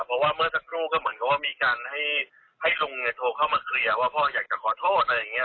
เพราะว่าเมื่อสักครู่ก็เหมือนกับว่ามีการให้ลุงโทรเข้ามาเคลียร์ว่าพ่ออยากจะขอโทษอะไรอย่างนี้